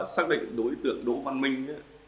xác định đối tượng đỗ văn minh